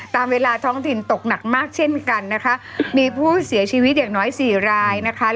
ตามเวลาท้องถิ่นตกหนักมากเช่นกันนะคะมีผู้เสียชีวิตอย่างน้อยสี่รายนะคะ